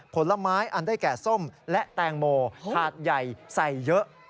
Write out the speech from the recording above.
ผลไม้อันได้แก่ส้มและแตงโมถาดใหญ่ใส่เยอะ